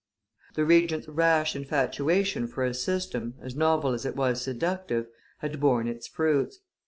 The Regent's rash infatuation for a system, as novel as it was seductive, had borne its fruits.